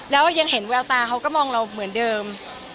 แล้วยังเห็นแววตาเขาก็มองเราเหมือนเดิม